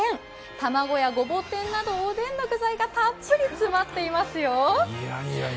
卵やごぼう天などおでんの具材がたっぷり詰まっていますよ。